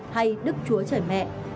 hay đức chúa trời mẹ